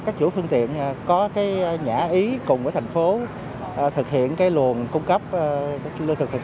các chủ phương tiện có cái nhã ý cùng với thành phố thực hiện cái luồng cung cấp lương thực thực